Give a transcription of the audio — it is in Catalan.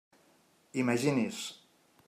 Imagini's!